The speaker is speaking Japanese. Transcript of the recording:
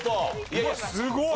うわっすごい！